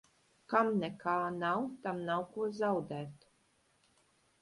Kam nekā nav, tam nav ko zaudēt.